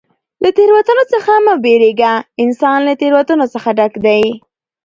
له تېروتنو څخه مه بېرېږه! انسان له تېروتنو څخه ډک دئ.